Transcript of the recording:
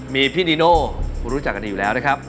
มีพี่ดีนู้เรารู้จักกันอีกอยู่แล้วนะครับ